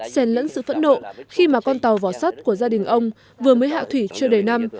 xen lẫn sự phẫn nộ khi mà con tàu vỏ sắt của gia đình ông vừa mới hạ thủy chưa đầy năm